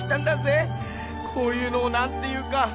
こういうのをなんていうか。